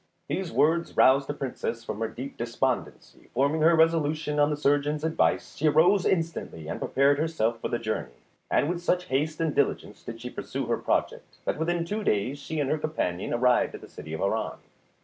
These words roused the Princess from her deep despondency; forming her resolution on the surgeon's advice, she arose instantly and prepared herself for the journey, and with such haste and diligence did she pursue her project, that within two days she and her companion arrived at the city of Harran.